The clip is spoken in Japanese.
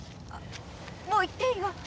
もう行っていいよ。